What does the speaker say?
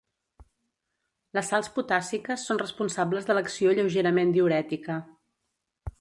Les sals potàssiques són responsables de l'acció lleugerament diürètica.